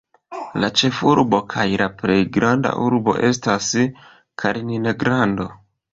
La ĉefurbo kaj la plej granda urbo estas Kaliningrado.